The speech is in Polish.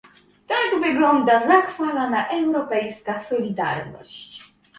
Tak wygląda zachwalana europejska solidarność